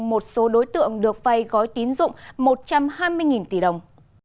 một số đối tượng được vay gói tín dụng một trăm hai mươi tỷ đồng